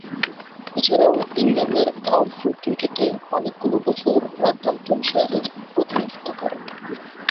এছাড়াও ইংল্যান্ডের কাউন্টি ক্রিকেটে অনেকগুলো বছর নর্দাম্পটনশায়ারের প্রতিনিধিত্ব করেন।